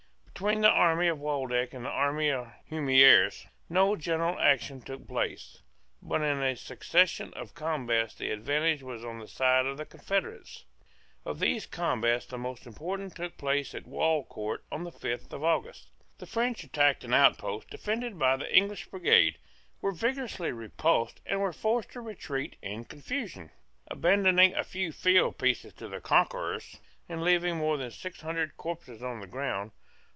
Between the army of Waldeck and the army of Humieres no general action took place: but in a succession of combats the advantage was on the side of the confederates. Of these combats the most important took place at Walcourt on the fifth of August. The French attacked an outpost defended by the English brigade, were vigorously repulsed, and were forced to retreat in confusion, abandoning a few field pieces to the conquerors and leaving more than six hundred corpses on the ground.